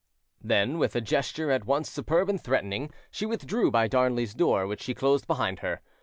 Then, with a gesture at once superb and threatening, she withdrew by Darnley's door, which she closed behind her.